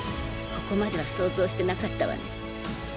ここまでは想像してなかったわね。